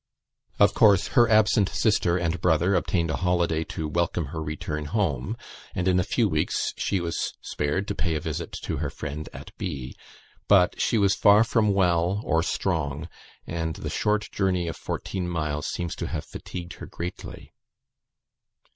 Of course her absent sister and brother obtained a holiday to welcome her return home, and in a few weeks she was spared to pay a visit to her friend at B. But she was far from well or strong, and the short journey of fourteen miles seems to have fatigued her greatly.